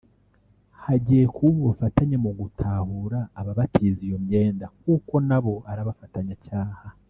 hagiye kuba ubufatanye mu gutahura ababatiza iyo myenda kuko nabo ni abafatanyacyaha”